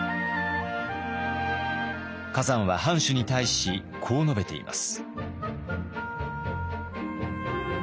崋山は藩主に対しこう述べています。